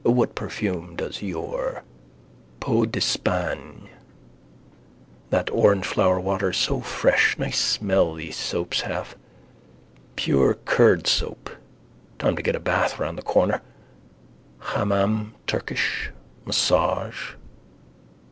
What perfume does your? Peau d'Espagne. That orangeflower water is so fresh. Nice smell these soaps have. Pure curd soap. Time to get a bath round the corner. Hammam. Turkish. Massage.